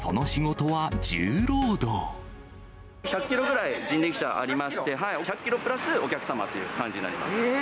１００キロぐらい、人力舎、ありまして、１００キロプラスお客様という感じになります。